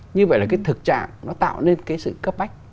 như vậy là cái thực trạng nó tạo nên cái sự cấp bách